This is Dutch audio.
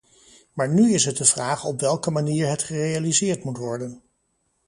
Maar nu is het de vraag op welke manier het gerealiseerd moet worden.